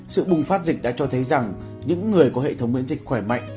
sự bùng phát dịch đã cho thấy rằng những người có hệ thống miễn dịch khỏe mạnh